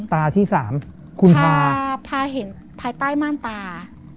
ตาที่๓คุณพา